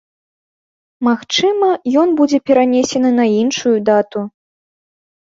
Магчыма, ён будзе перанесены на іншую дату.